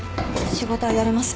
仕事はやれます。